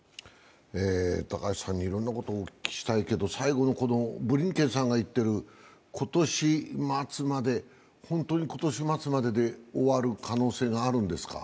高橋さんにいろいろなことをお聞きしたいけれども、最後のブリンケンさんが言っている、今年末まで、本当に今年末までで終わる可能性があるんですか。